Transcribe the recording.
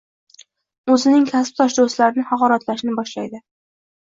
Oʻzining kasbdosh doʻstlarini haqoratlashni boshlaydi